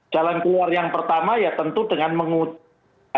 jalan keluar yang pertama ya tentu dengan mengutuk